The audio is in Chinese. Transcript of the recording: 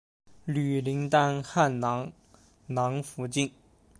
女林丹汗囊囊福晋。